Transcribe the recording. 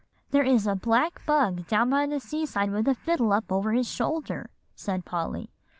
"There is a black bug down by the seaside with a fiddle up over his shoulder," said Polly.